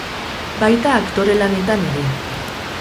Baita aktore lanetan ere.